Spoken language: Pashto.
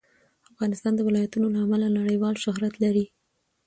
افغانستان د ولایتونو له امله نړیوال شهرت لري.